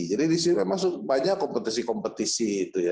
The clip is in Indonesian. jadi di sini memang banyak kompetisi kompetisi